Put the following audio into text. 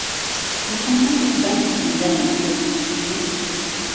محەممەد بانگی زریانی کرد کوتی